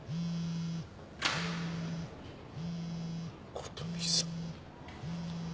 琴美さん。